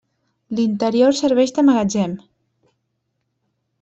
L'interior serveix de magatzem.